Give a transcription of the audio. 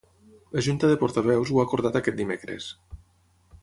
La Junta de Portaveus ho ha acordat aquest dimecres.